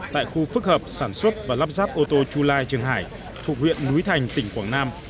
tại khu phức hợp sản xuất và lắp ráp ô tô chu lai trường hải thuộc huyện núi thành tỉnh quảng nam